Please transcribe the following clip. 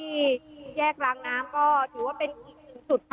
ที่แยกรางน้ำก็ถือว่าเป็นอิงสุด